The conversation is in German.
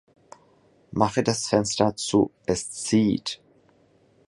Mache das Fenster zu, es zieht!